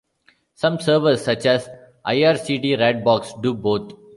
Some servers, such as ircd-ratbox, do both.